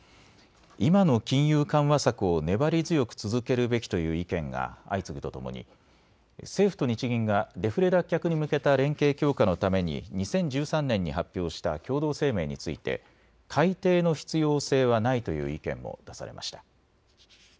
今の金融緩和策を粘り強く続けるべきという意見が相次ぐとともに政府と日銀がデフレ脱却に向けた連携強化のために２０１３年に発表した共同声明について改定の必要性はないという意見も出されました。